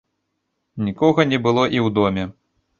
Нікога не было і ў доме.